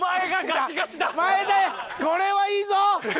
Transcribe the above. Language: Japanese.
前田これはいいぞ！